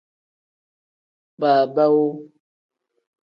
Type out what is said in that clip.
Baabaawu.